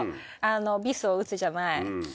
ビスを打つじゃない？